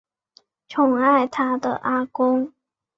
宠爱她的阿公